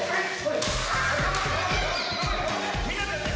みんなでね